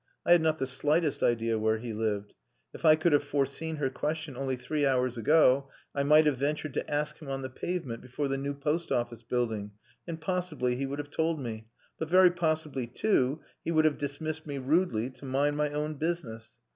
I had not the slightest idea where he lived. If I could have foreseen her question only three hours ago, I might have ventured to ask him on the pavement before the new post office building, and possibly he would have told me, but very possibly, too, he would have dismissed me rudely to mind my own business.